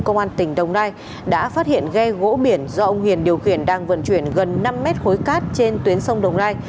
công an tỉnh đồng nai đã phát hiện ghe gỗ biển do ông hiền điều khiển đang vận chuyển gần năm mét khối cát trên tuyến sông đồng nai